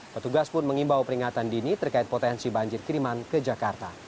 petugas pun mengimbau peringatan dini terkait potensi banjir kiriman ke jakarta